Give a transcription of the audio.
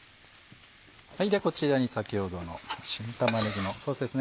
じゃあこちらに先ほどの新玉ねぎのソースですね。